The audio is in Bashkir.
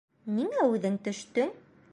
Ниңә үҙең төштөң?